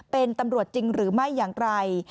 เป็นตำรวจจริงหรือไม่อย่างไร